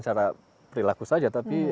cara perilaku saja tapi